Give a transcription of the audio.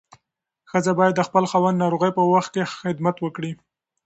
ښځه باید د خپل خاوند ناروغۍ په وخت کې خدمت وکړي.